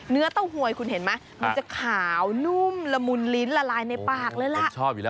เนื้อเต้าหวยคุณเห็นมามันจะขาวนุ่มละมุนลิ้นละลายในปากเลยล่ะ